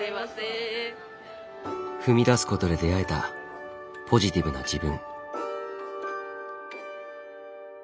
踏み出すことで出会えたポジティブな自分。